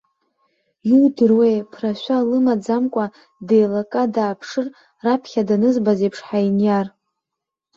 Иудыруеи, ԥрашәа лымаӡамкәа, деилкка дааԥшыр, раԥхьа данызбаз аиԥш ҳаиниар!